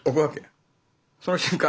その瞬間